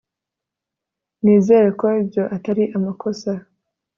nizere ko ibyo atari amakosa